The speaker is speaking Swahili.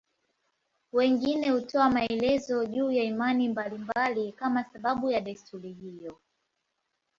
Wengine hutoa maelezo juu ya imani mbalimbali kama sababu ya desturi hiyo.